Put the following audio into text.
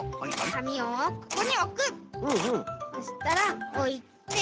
そしたらおいて。